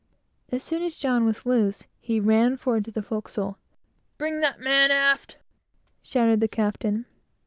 As soon as he was loose, he ran forward to the forecastle. "Bring that man aft," shouted the captain.